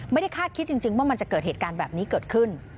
ไม่ได้คาดคิดจริงว่ามันจะเกิดเหตุการณ์แบบนี้เกิดขึ้น